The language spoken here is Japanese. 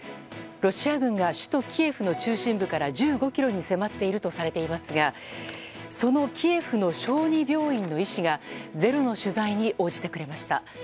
ロシア軍が首都キエフの中心部から１５ｋｍに迫っているとされていますがそのキエフの小児病院の医師が「ｚｅｒｏ」の取材に応じてくれました。